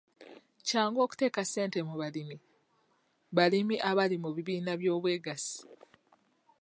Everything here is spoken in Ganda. Kyangu okuteeka ssente mu balimi balimi abali mu bibiina by'obwegassi.